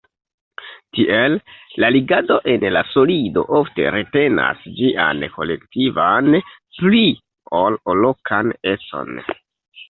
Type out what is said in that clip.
Tiel, la ligado en la solido ofte retenas ĝian kolektivan pli ol lokan econ.